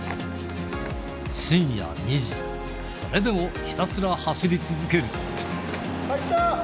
深夜２時、それでもひたすら走り続ける。